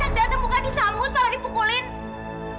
anak datang bukan disambut malah dipukulin